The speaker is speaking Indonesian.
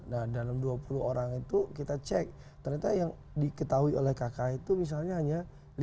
nah dalam dua puluh orang itu kita cek ternyata yang diketahui oleh kakak itu misalnya hanya lima puluh